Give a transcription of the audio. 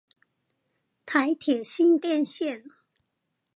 臺鐵新店線